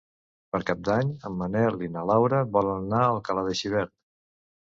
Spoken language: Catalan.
Per Cap d'Any en Manel i na Laura volen anar a Alcalà de Xivert.